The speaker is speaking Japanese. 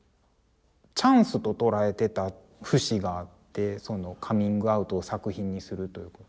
チャンスと捉えてた節があってそのカミングアウトを作品にするという。